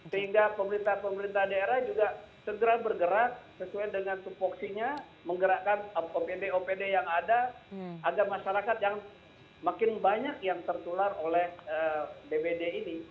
sehingga pemerintah pemerintah daerah juga segera bergerak sesuai dengan tupoksinya menggerakkan opd opd yang ada agar masyarakat yang makin banyak yang tertular oleh dpd ini